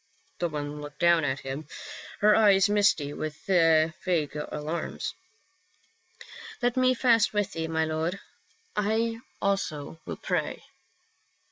The woman looked at him, her eyes misty with vague alarms. " Let me fast with thee, my lord. I also will pray."